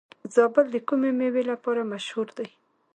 زابل د کومې میوې لپاره مشهور دی؟